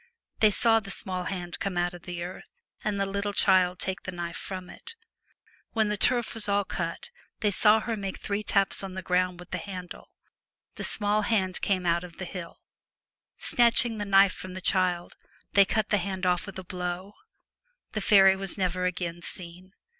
They saw the small hand come out of the earth, 177 N The and the little child take from it the knife. Celtic Twilight. When the turf was all cut, they saw her make three taps on the ground with the handle. The small hand came out of the hill. Snatching the knife from the child, they cut the hand off with a blow. The faery was never again seen.